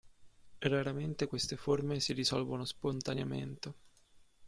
Raramente queste forme si risolvono spontaneamente.